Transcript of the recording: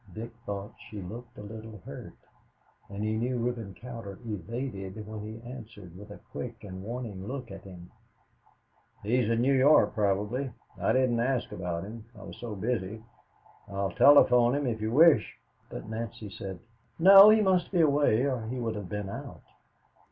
Dick thought she looked a little hurt, and he knew Reuben Cowder evaded when he answered, with a quick and warning look at him, "He's in New York probably. I didn't ask about him, I was so busy. I will telephone if you wish," but Nancy said, "No, he must be away or he would have been out."